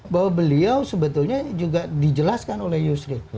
bahwa beliau sebetulnya juga dijelaskan oleh yusril